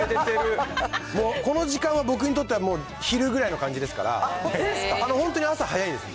この時間は僕にとっては昼ぐらいの感じですから、本当に朝、早いんですよ。